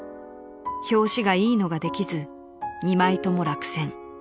［「表紙がいいのができず２枚とも落選」］